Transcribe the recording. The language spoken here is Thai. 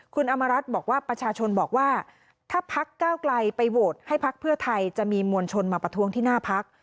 คุณอำมารัฐบอกว่าประชาชนบอกว่าถ้าพักเก้าไกลไปโหวตให้พักเพื่อไทยจะมีมวลชนมาประท้วงที่หน้าพัก